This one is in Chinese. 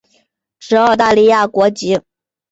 持澳大利亚国籍。